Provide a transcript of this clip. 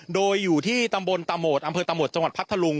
โดยอยู่ที่ตำบลตะโหมดอำเภอตะโหมดจังหวัดพัทธลุง